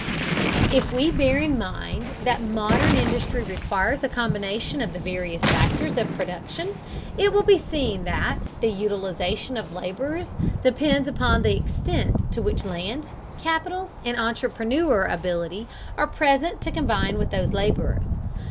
If we bear in mind that modern industry requires a combination of the various factors of production, it will be seen that the utilization of laborers depends upon the extent to which land, capital, and entrepreneur ability are present to combine with those laborers.